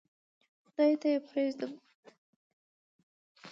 خدای ته یې پرېږدم.